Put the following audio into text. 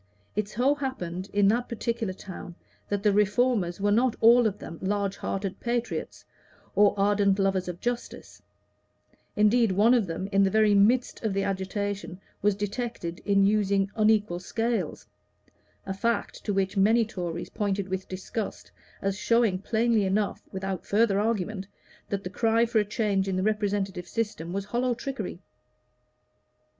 It so happened in that particular town that the Reformers were not all of them large hearted patriots or ardent lovers of justice; indeed, one of them, in the very midst of the agitation, was detected in using unequal scales a fact to which many Tories pointed with disgust as showing plainly enough, without further argument, that the cry for a change in the representative system was hollow trickery.